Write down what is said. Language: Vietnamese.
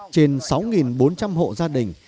trên sáu bốn trăm linh hộ gia đình